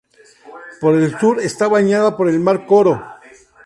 Por el sur está bañada por el mar de Koro.